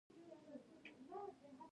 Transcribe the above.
ایا زه باید ښکته راشم؟